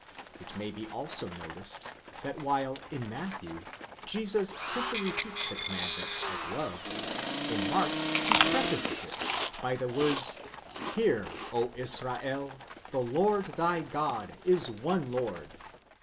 It may be also noticed that while in Matthew Jesus simply repeats the commandment of love, in Mark he prefaces it by the words, Hear, O Israel, the Lord thy God is one Lord.